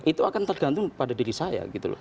itu akan tergantung pada diri saya gitu loh